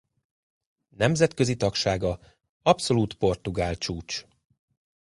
Nemzetközi tagsága abszolút portugál csúcs.